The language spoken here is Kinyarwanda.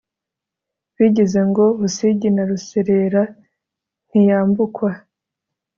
bagize ngo Busigi na Ruserera ntiyambukwa